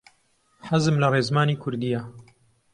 حەزم لە ڕێزمانی کوردییە.